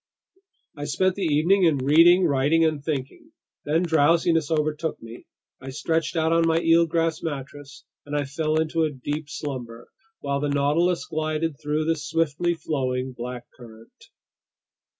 I spent the evening in reading, writing, and thinking. Then drowsiness overtook me, I stretched out on my eelgrass mattress, and I fell into a deep slumber, while the Nautilus glided through the swiftly flowing Black Current.